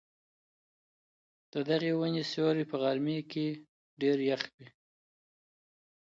د دغې وني سیوری په غرمې کي ډېر یخ وي.